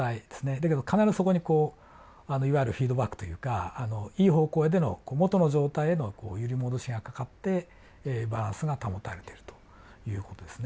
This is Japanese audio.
だけど必ずそこにこういわゆるフィードバックというかいい方向へでの元の状態への揺り戻しがかかってバランスが保たれてるという事ですね。